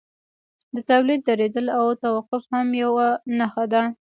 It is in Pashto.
د تولید درېدل او توقف هم یوه نښه ده